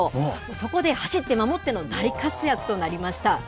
そこで走って守っての大活躍となりました。